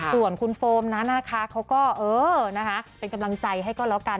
ส่วนคุณโฟมนั้นนะคะเขาก็เออนะคะเป็นกำลังใจให้ก็แล้วกัน